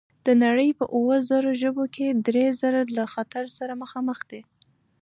د نړۍ په اووه زره ژبو کې درې زره له خطر سره مخامخ دي.